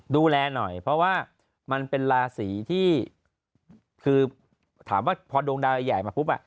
ดูแลหน่อยเพราะว่ามันเป็นราศีที่คือถามว่าพอดวงดาวใหญ่มาปุ๊บ